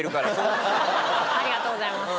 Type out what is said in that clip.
ありがとうございます。